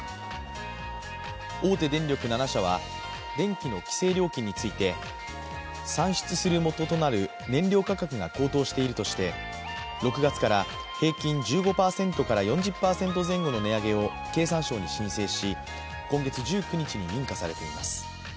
大手電力７社は電気の規制料金について算出するもととなる燃料価格が高騰しているとして６月から平均１５％から４０％前後の値上げを経産省に申請し、今月１９日に認可されています。